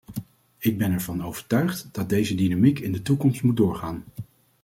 Ik ben ervan overtuigd dat deze dynamiek in de toekomst moet doorgaan.